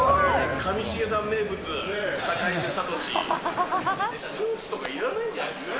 上重さん名物、スーツとかいらないんじゃないですか？